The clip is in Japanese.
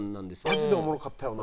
マジでおもろかったよな。